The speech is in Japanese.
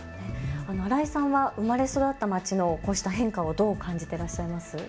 新井さんは生まれ育った町のこうした変化をどう感じていらっしゃいますか。